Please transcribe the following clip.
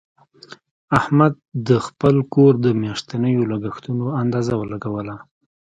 احمد د خپل کور د میاشتنیو لګښتونو اندازه ولګوله.